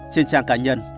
trên trang cá nhân